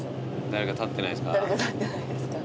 誰か立ってないですか？